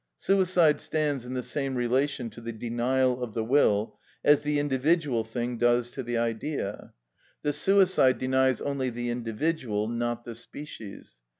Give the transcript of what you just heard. Suicide stands in the same relation to the denial of the will as the individual thing does to the Idea. The suicide denies only the individual, not the species.